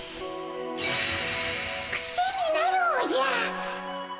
クセになるおじゃ。